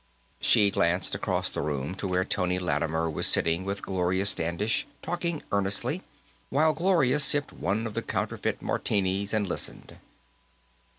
She glanced across the room, to where Tony Lattimer was sitting with Gloria Standish, talking earnestly, while Gloria sipped one of the counterfeit martinis and listened.